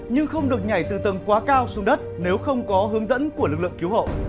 nhưng không được nhảy từ tầng quá cao xuống đất nếu không có hướng dẫn của lực lượng cứu hộ